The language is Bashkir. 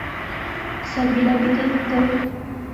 Сәбилә бит әйтте...